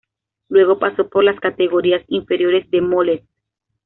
Luego, pasó por las categorías inferiores del Mollet.